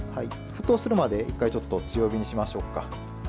沸騰するまで１回、強火にしましょうか。